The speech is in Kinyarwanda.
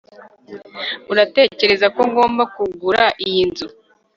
uratekereza ko ngomba kugura iyi nzu